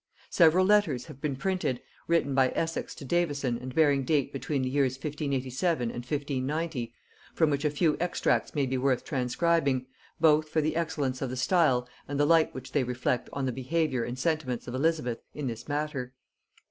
Several letters have been printed, written by Essex to Davison and bearing date between the years 1587 and 1590, from which a few extracts may be worth transcribing, both for the excellence of the style and the light which they reflect on the behaviour and sentiments of Elizabeth in this matter.